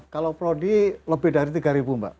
kalau prodi lebih dari tiga ribu mbak